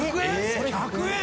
それ１００円？